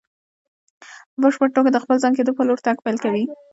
په بشپړ توګه د خپل ځان کېدو په لور تګ پيل کوي.